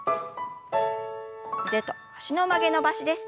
腕と脚の曲げ伸ばしです。